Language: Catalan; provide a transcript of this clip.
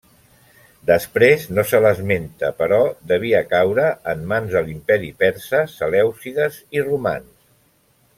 Després no se l'esmenta però devia caure en mans de l'imperi persa, selèucides i romans.